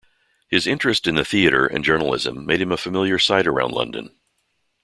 His interest in the theatre and journalism made him a familiar sight around London.